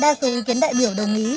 đa số ý kiến đại biểu đồng ý